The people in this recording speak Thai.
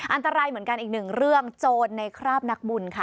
อันตรายเหมือนกันอีกหนึ่งเรื่องโจรในคราบนักบุญค่ะ